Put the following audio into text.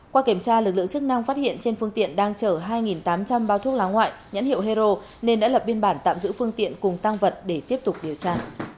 qua kiểm tra lực lượng chức năng phát hiện trên phương tiện đang chở hai tám trăm linh bao thuốc lá ngoại nhãn hiệu hero nên đã lập biên bản tạm giữ phương tiện cùng tăng vật để tiếp tục điều tra